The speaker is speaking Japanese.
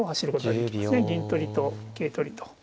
銀取りと桂取りと。